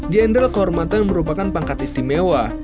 jenderal kehormatan merupakan pangkat istimewa